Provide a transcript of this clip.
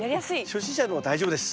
初心者でも大丈夫です。